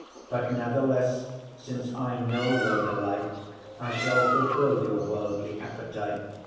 But natheless, since I know your delight, I shall fulfil your wordly appetite.